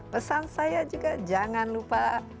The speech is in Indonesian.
pesan saya juga jangan lupa